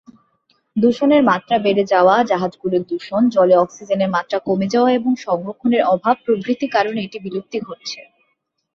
দূষণের মাত্রা বেড়ে যাওয়া, জাহাজ গুলোর দূষণ, জলে অক্সিজেনের মাত্রা কমে যাওয়া এবং সংরক্ষণের অভাব প্রভৃতি কারণে এটি বিলুপ্তি ঘটছে।